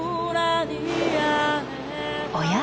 おや？